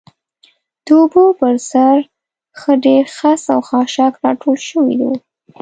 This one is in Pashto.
د اوبو پر سر ښه ډېر خس او خاشاک راټول شوي و.